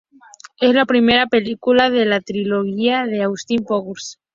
Es la primera película de la trilogía de Austin Powers.